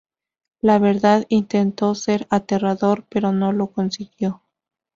La verdad, intento ser aterrador, pero no lo consigo.